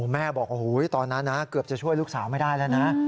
แม่บอกโอ้โหตอนนั้นนะเกือบจะช่วยลูกสาวไม่ได้แล้วนะ